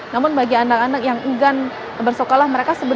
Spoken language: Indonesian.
namun bagi anak anak yang ingin bersekolah